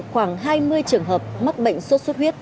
khoảng hai mươi trường hợp mắc bệnh sốt xuất huyết